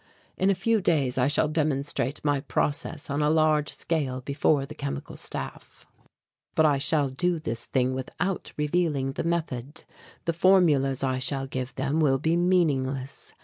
In a few days I shall demonstrate my process on a large scale before the Chemical Staff. But I shall do this thing without revealing the method. The formulas I shall give them will be meaningless.